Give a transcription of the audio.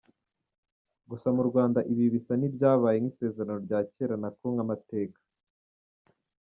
Gusa mu Rwanda ibi bisa n’ibyabaye nk’isezerano rya kera nako nk’amateka.